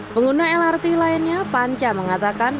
pengguna lrt lainnya panca mengatakan